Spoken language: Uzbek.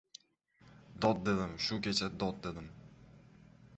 Dod dedim, shu kecha dod dedim.